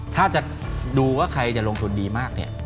ถ้าจะดูว่าใครจะลงทุนดีมากเนี่ย